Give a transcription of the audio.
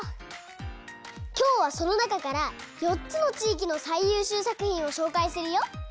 きょうはそのなかから４つのちいきのさいゆうしゅうさくひんをしょうかいするよ。